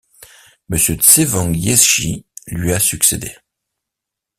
Monsieur Tsewang Yeshi lui a succédé.